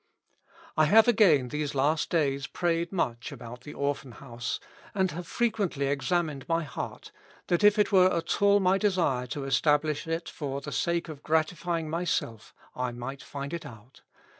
" I have again these last days prayed much about the Orphan House, and have frequently examined my heart ; that if it were at all my desire to establish it for the sake of gratifying myself, I might find it out.